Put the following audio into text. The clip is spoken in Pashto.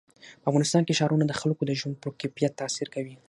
په افغانستان کې ښارونه د خلکو د ژوند په کیفیت تاثیر کوي.